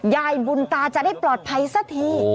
ยายบุญตาจะได้ปลอดภัยสักที